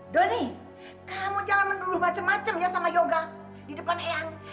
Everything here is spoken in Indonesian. donny kamu jangan menuduh macam macam ya sama yoga di depan eang